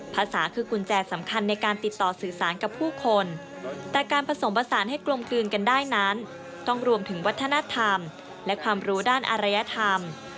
ภาษาคือกุญแจสำคัญในการติดต่อสื่อสารกับผู้คนแต่การผสมผสานให้กลมกลืนกันได้นั้นต้องรวมถึงวัฒนธรรมและความรู้ด้านอารยธรรม